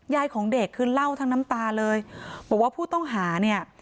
ของเด็กคือเล่าทั้งน้ำตาเลยบอกว่าผู้ต้องหาเนี่ย